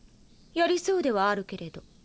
やりそうではあるけれど。